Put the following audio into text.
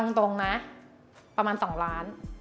ตรงนะประมาณ๒ล้าน